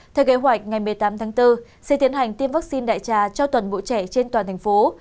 theo kế hoạch ngày một mươi tám tháng bốn sẽ tiến hành tiêm vaccine đại trà cho toàn bộ trẻ trên toàn thành phố